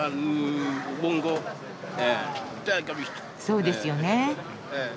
そうですよね。